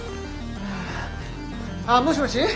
あっもしもし？